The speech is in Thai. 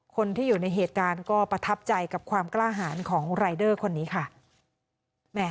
คนที่อยู่ในเหตุการณ์ก็ประทับใจกับความกล้าหารของรายเดอร์คนนี้ค่ะ